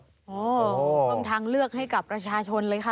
โอ้โหเป็นทางเลือกให้กับรัชชนเลยค่ะ